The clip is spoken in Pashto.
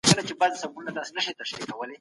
سیاستوالو به د مظلومانو کلکه ساتنه کوله.